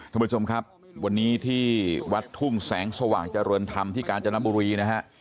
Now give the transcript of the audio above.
ท่านผู้ชมครับวันนี้ที่วัดทุ่งแสงสว่างเจริญธรรมที่กาญจนบุรีนะฮะ